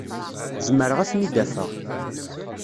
Zemreɣ ad ten-id-afeɣ.